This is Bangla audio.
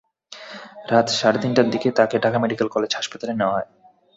রাত সাড়ে তিনটার দিকে তাঁকে ঢাকা মেডিকেল কলেজ হাসপাতালে নেওয়া হয়।